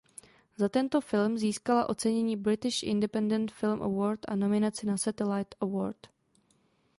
Za tento film získala ocenění British Independent Film Award a nominaci na Satellite Award.